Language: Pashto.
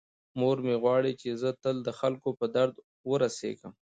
مور مې غواړي چې زه تل د خلکو په درد ورسیږم.